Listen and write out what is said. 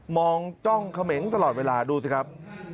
องจ้องเขมงตลอดเวลาดูสิครับ